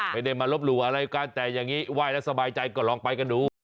ไม่ได้มาลบหลู่อะไรกันแต่อย่างนี้ไหว้แล้วสบายใจก็ลองไปกันดู